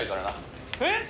え！？